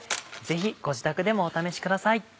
ぜひご自宅でもお試しください。